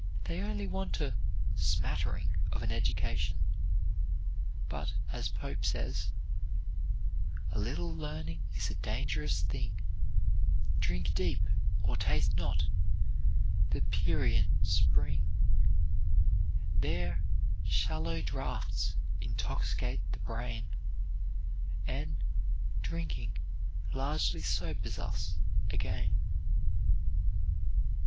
They only want a "smattering" of an education. But as Pope says, A little learning is a dangerous thing; Drink deep, or taste not the Pierian spring: There shallow draughts intoxicate the brain, And drinking largely sobers us again.